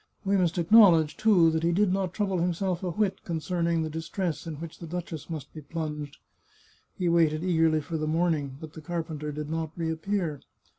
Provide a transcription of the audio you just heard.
We must acknowledge, too, that he did not trouble himself a whit concerning the dis tress in which the duchess must be plunged. He waited eagerly for the morning, but the carpenter did not reappear.